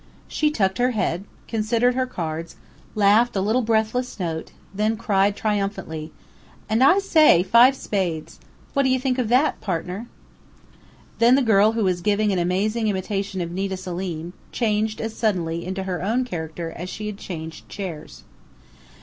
She tucked her head, considered her cards, laughed a little breathless note, then cried triumphantly: "And I say five spades! What do you think of that, partner?" Then the girl who was giving an amazing imitation of Nita Selim changed as suddenly into her own character as she changed chairs.